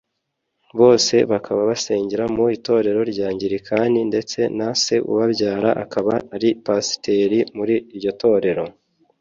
bose bakaba basengera mu itorero ry’Angilikani ndetse na Se ubabyara akaba ari umupasiteri muri iryo torero